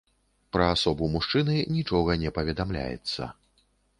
Пра асобу мужчыны нічога не паведамляецца.